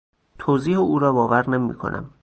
توضیح او را باور نمیکنم.